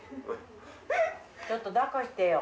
ちょっとだっこしてよ。